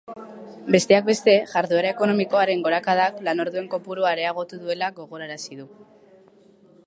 Besteak beste, jarduera ekonomikoaren gorakadak lanorduen kopurua areagotu duela gogorarazi du.